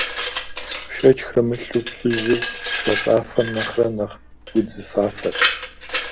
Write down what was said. Шэч хэмылъу, плъыжьыр шакъафэм нэхърэ нэхъ удзыфафэщ.